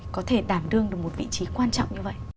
có thể đảm đương được một vị trí quan trọng như vậy